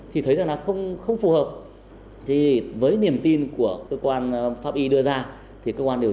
hãy xem phim này nhé